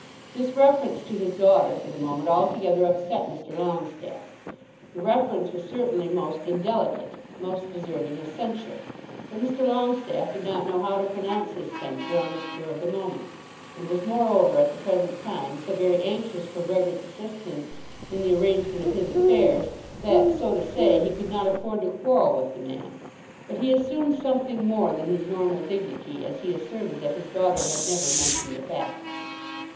This reference to his daughter for the moment altogether upset Mr. Longestaffe. The reference was certainly most indelicate, most deserving of censure; but Mr. Longestaffe did not know how to pronounce his censure on the spur of the moment, and was moreover at the present time so very anxious for Brehgert's assistance in the arrangement of his affairs that, so to say, he could not afford to quarrel with the man. But he assumed something more than his normal dignity as he asserted that his daughter had never mentioned the fact.